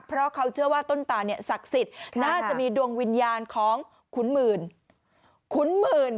เพราะเขาเชื่อว่าต้นตาเนี่ยศักดิ์สิทธิ์น่าจะมีดวงวิญญาณของขุนหมื่นขุนหมื่น